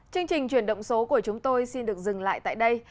chương trình chuyển động số của chúng tôi xin được dừng lại tại đây